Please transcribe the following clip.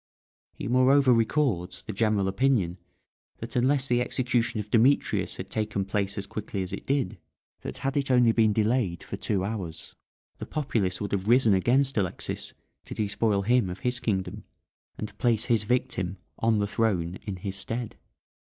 He moreover records the general opinion that unless the execution of Demetrius had taken place as quickly as it did that had it only been delayed for two hours the populace would have risen against Alexis to despoil him of his kingdom, and place his victim on the throne in his stead.